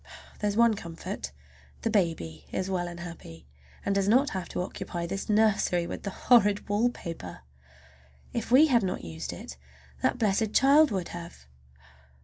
There's one comfort, the baby is well and happy, and does not have to occupy this nursery with the horrid wallpaper. If we had not used it that blessed child would have!